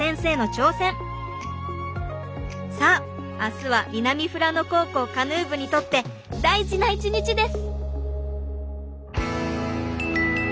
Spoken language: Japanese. さあ明日は南富良野高校カヌー部にとって大事な一日です。